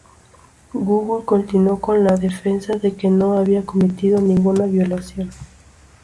Google continuó con la defensa de que no había cometido ninguna violación.